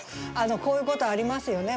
こういうことありますよね。